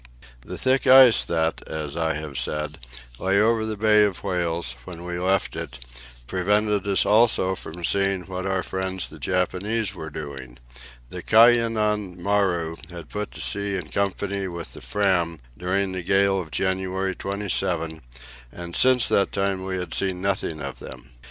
The thick fog that, as I have said, lay over the Bay of Whales when we left it, prevented us also from seeing what our friends the Japanese were doing. The Kainan Maru had put to sea in company with the Fram during the gale of January 27, and since that time we had seen nothing of them.